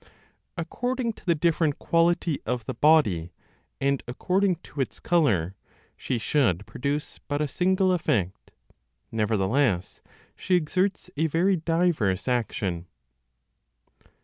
According to the different quality of the body, and according to its color, she should produce but a single effect; nevertheless, she exerts a very diverse action.